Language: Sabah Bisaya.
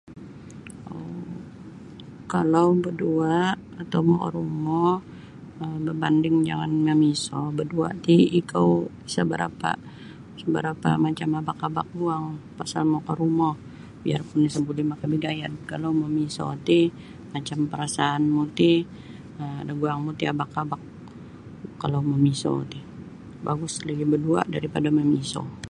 um Kalau badua' atau makarumo um babanding jangan mamiso badua' ti ikou sa barapa sa barapa macam abak-abak guang pasal makarumo biarpun isa buli makabagayad kalau mamiso ti macam perasaanmu ti da guangmu ti abak-abak kalau mamiso ti bagus lagi badua' daripada mamiso.